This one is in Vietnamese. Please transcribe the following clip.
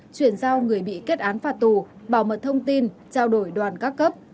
chuyển giao người bị kết án phạt tù bảo mật thông tin trao đổi đoàn các cấp